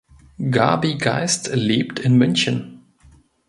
Gabi Geist lebt in München.